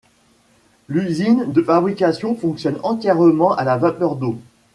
L’usine de fabrication fonctionne entièrement à la vapeur d'eau.